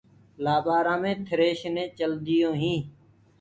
لآبآرآ مي ٿريشرينٚ چلديونٚ هينٚ۔